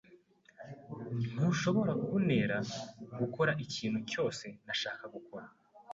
Ntushobora kuntera gukora ikintu cyose ntashaka gukora.